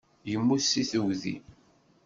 Yemmut seg tuggdi.